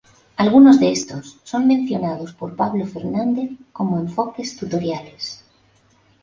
Algunos de estos, son mencionados por Pablo Fernandez como 'Enfoques tutoriales'.